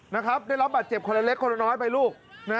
นะครับได้รับบาดเจ็บคนน้อยไปลูก